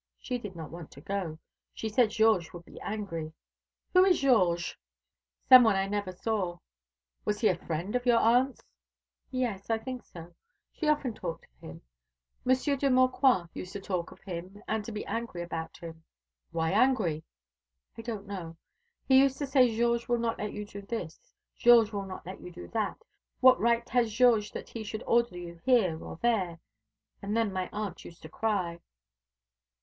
She did not want to go. She said Georges would be angry." "Who is Georges?" "Some one I never saw." "Was he a friend of your aunt's?" "Yes, I think so. She often talked of him. Monsieur de Maucroix used to talk of him, and to be angry about him." "Why angry?" "I don't know. He used to say Georges will not let you do this; Georges will not let you do that. What right has Georges that he should order you here or there? And then my aunt used to cry."